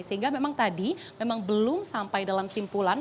sehingga memang tadi memang belum sampai dalam simpulan